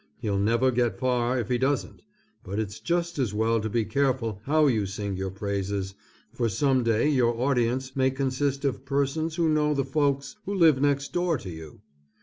He'll never get far if he doesn't, but it's just as well to be careful how you sing your own praises, for some day your audience may consist of persons who know the folks who live next door to you.